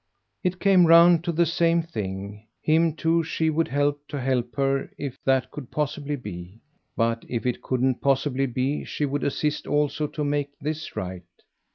It came round to the same thing; him too she would help to help her if that could possibly be; but if it couldn't possibly be she would assist also to make this right.